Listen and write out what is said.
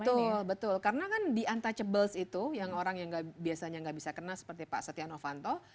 betul betul karena kan di untouchables itu yang orang yang biasanya nggak bisa kena seperti pak setia novanto